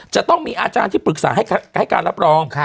จะต้องมีอาจารย์ที่ปรึกษาให้การรับรอง